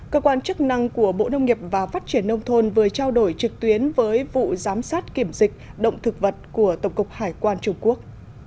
cơ quan chức năng của bộ nông nghiệp và phát triển nông thôn vừa trao đổi trực tuyến với vụ giám sát kiểm dịch động thực vật của tổng cục hải quan trung quốc